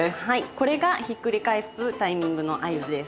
これがひっくり返すタイミングの合図です。